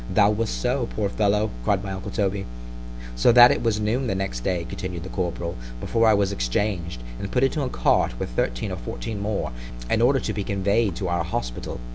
Thou wast so; poor fellow! replied my uncle Toby—So that it was noon the next day, continued the corporal, before I was exchanged, and put into a cart with thirteen or fourteen more, in order to be convey'd to our hospital.